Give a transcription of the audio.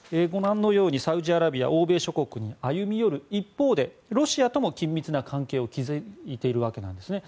サウジアラビア欧米諸国に歩み寄る一方でロシアとも緊密な関係を築いているわけなんですね。